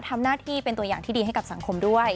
ทำหน้าที่เป็นตัวอย่างที่ดีให้กับสังคมด้วย